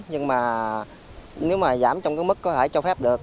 nhưng mà nếu mà giảm trong cái mức có thể cho phép được